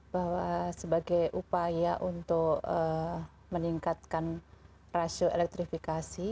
bahwa sebagai upaya untuk meningkatkan rasio elektrifikasi